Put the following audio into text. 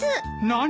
何？